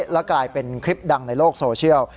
แล้วกลายเป็นคลิปดังในโลกโซเชียล